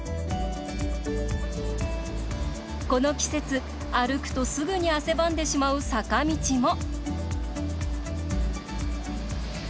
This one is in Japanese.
この季節歩くとすぐに汗ばんでしまう坂道も。